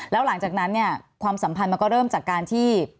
แล้วหลังจากนั้นเนี่ยความสัมพันธ์มันก็เริ่มจากการที่